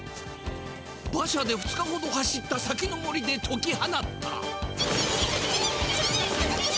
馬車で２日ほど走った先の森でとき放った。